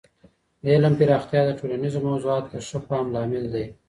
د علم پراختیا د ټولنیزو موضوعاتو د ښه فهم لامل دی.